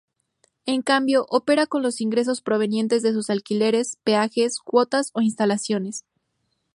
En cambio, opera con los ingresos provenientes de sus alquileres, peajes, cuotas e instalaciones.